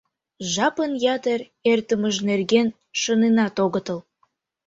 Жапын ятыр эртымыж нерген шоненат огытыл.